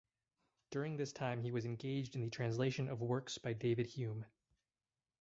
During this time he was engaged in the translation of works by David Hume.